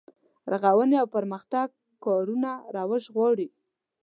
رغونې او پرمختګ کارونه روش غواړي.